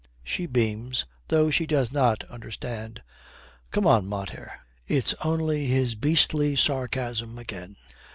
She beams, though she does not understand. 'Come on, mater, it's only his beastly sarcasm again.